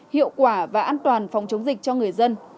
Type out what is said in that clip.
hiệu quả và an toàn phòng chống dịch cho người dân